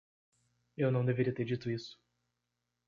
Eu não deveria ter dito isso!